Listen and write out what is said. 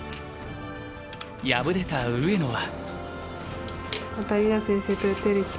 敗れた上野は。